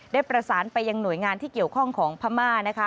ได้ประสานไปยังหน่วยงานที่เกี่ยวข้องของพม่านะคะ